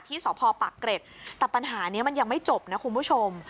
สพปากเกร็ดแต่ปัญหานี้มันยังไม่จบนะคุณผู้ชม